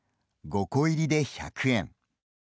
５個入りで１００円。